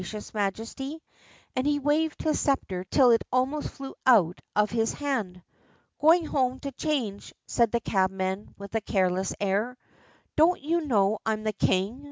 shouted his most gracious Majesty, and he waved his sceptre till it almost flew out of his hand. "Going home to change," said the cabman, with a careless air. "Don't you know I'm the king?"